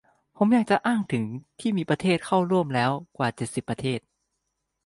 ผมอยากจะอ้างถึง ที่มีประเทศเข้าร่วมแล้วกว่า เจ็ดสิบ ประเทศ